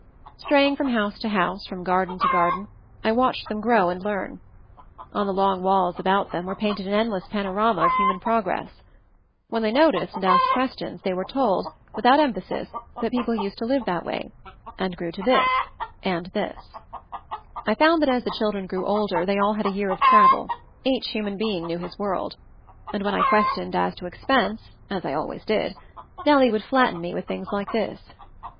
Straying from house to house, from garden to garden, I watched them grow and learn. On the long walls about them were painted an endless panorama of hu man progress. When they noticed and MOVING THE MOUNTAIN 215 asked questions they were told, without emphasis, that people used to live that wav; and grew to this — and this. I found that as the children grew older they all had a year of travel; each human being knew his world. And when I ques tioned as to expense, as I always did, Nellie would flatten me with things like this